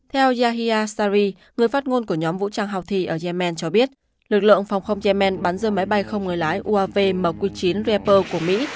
theo yahya shari người phát ngôn của nhóm vũ trang houthi ở yemen cho biết lực lượng phòng không yemen bắn rơi máy bay không người lái uav mq chín repur của mỹ